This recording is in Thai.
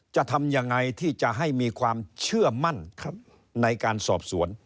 จะทำยังไงที่จะให้มีความเชื่อมั่นในการสอบสวน